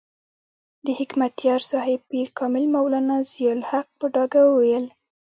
د حکمتیار صاحب پیر کامل مولانا ضیاء الحق په ډاګه وویل.